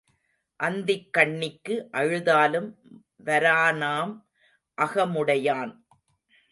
அந்திக் கண்ணிக்கு அழுதாலும் வரானாம் அகமுடையான்.